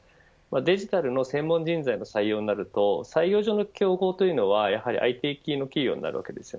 デジタルの専門人材の採用になると採用上の企業はＩＴ系の企業になるわけです。